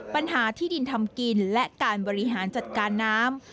ปัญหาที่ดินทำกินและการบริหารจัดการน้ำ